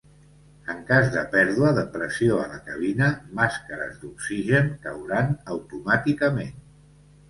En cas de pèrdua de pressió a la cabina, màscares d'oxigen cauran automàticament.